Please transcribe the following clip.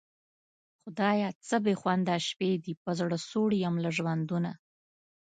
خدایه څه بېخونده شپې دي په زړه سوړ یم له ژوندونه